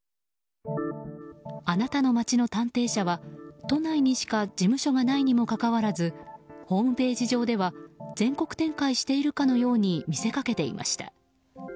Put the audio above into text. あなたの街の探偵社は都内にしか事務所がないにもかかわらずホームページ上では全国展開しているかのように見せかけていました。